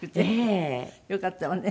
よかったわね。